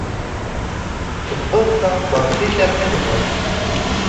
Tewwiḍ-d taɣebbaṛt-ik armi d ɣur-neɣ.